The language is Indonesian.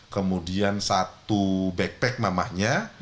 kemudian satu backpack mamahit